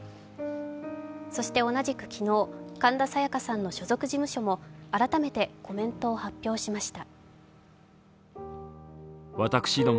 そして同じく昨日、神田沙也加さんの所属事務所も改めてコメントを発表しました。